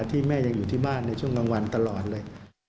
แม่ยังอยู่ที่บ้านในช่วงกลางวันตลอดเลย